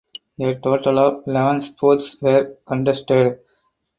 A total of eleven sports were contested.